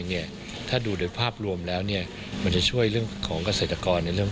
เนี่ยถ้าดูโดยภาพรวมแล้วเนี่ยมันจะช่วยเรื่องของเกษตรกรในเรื่อง